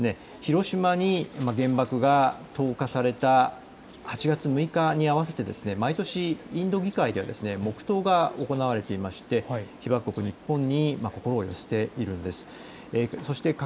また一方で広島に原爆が投下された８月６日に合わせて毎年インド議会では黙とうが行われていて被爆国日本に心を寄せているんです。